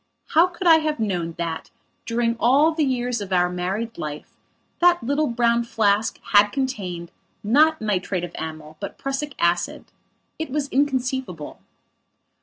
How could I have known that, during all the years of our married life, that little brown flask had contained, not nitrate of amyl, but prussic acid? It was inconceivable.